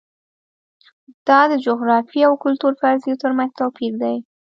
دا د جغرافیې او کلتور فرضیو ترمنځ توپیر دی.